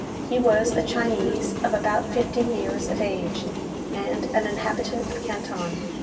He was a Chinese of about fifty years of age, and an inhabitant of Canton.